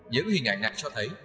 những hình ảnh này cho thấy